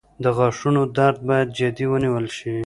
• د غاښونو درد باید جدي ونیول شي.